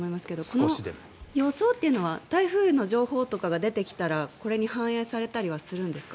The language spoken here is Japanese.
この予想というのは台風の情報とかが出てきたらこれに反映されたりはするんですか？